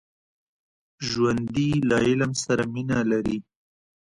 ژوندي له علم سره مینه لري